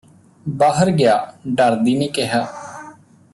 ਬਾਹਰ ਗਿਆ ਡਰਦੀ ਨੇ ਕਿਹਾ